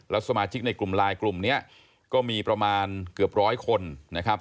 สมาชิกในกลุ่มไลน์กลุ่มนี้ก็มีประมาณเกือบร้อยคนนะครับ